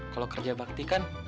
kalau kerja bakti kan